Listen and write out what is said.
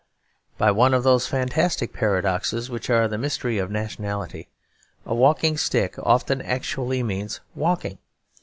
By one of those fantastic paradoxes which are the mystery of nationality, a walking stick often actually means walking.